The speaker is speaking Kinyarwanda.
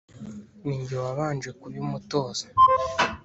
Ni jye wabanje kubimutoza!